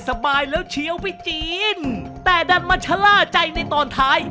สบายแล้วเชียวไปจีนแต่ดันมาชะล่าใจในตอนท้าย